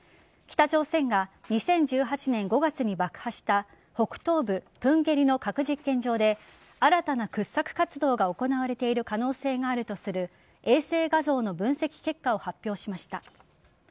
北朝鮮が２０１８年５月に爆破した北東部・プンゲリの核実験場で新たな掘削活動が行われている可能性があるとする衛星画像の分析結果を発表しました。